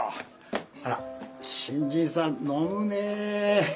あら新人さん飲むね。